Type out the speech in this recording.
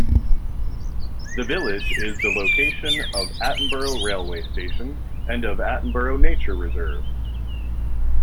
The village is the location of Attenborough railway station and of Attenborough Nature Reserve.